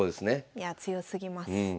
いや強すぎます。